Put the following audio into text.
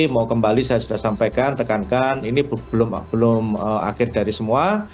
mau kembali saya sudah sampaikan tekankan ini belum akhir dari semua